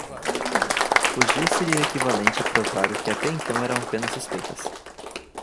Fugir seria equivalente a provar o que até então eram apenas suspeitas.